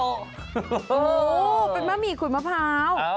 โอ้โหเป็นมะหมี่ขุดมะพร้าว